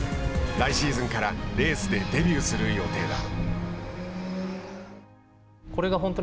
来シーズンからレースでデビューする予定だ。